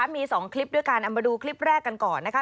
มี๒คลิปด้วยกันเอามาดูคลิปแรกกันก่อนนะคะ